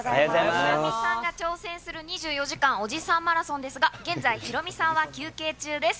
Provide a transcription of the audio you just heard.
ヒロミさんが挑戦する２４時間おじさんマラソンですが、現在、ヒロミさんは休憩中です。